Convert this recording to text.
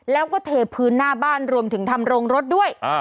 แล้วก็เทพื้นหน้าบ้านรวมถึงทำโรงรถด้วย